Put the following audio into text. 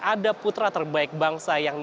ada putra terbaik bangsa yang